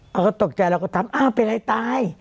เขาก็ตกใจเราก็ถามอ้าวเป็นอะไรตาย